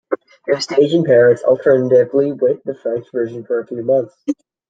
It was staged in Paris alternatively with the French version for a few months.